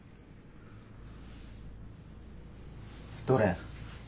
どれ？